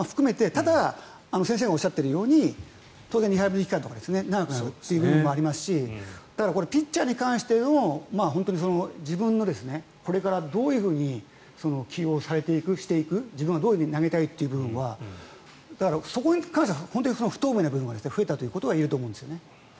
ただ、先生がおっしゃっているように当然リハビリ期間とか長くなるということもありますしピッチャーに関しての自分がこれからどういうふうに起用される、していく自分はどう投げたいという部分はそこに関しては不透明な部分が増えたということが言えると思うんですね。